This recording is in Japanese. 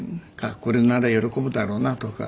これなら喜ぶだろうなとか。